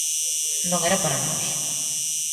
Non era para menos.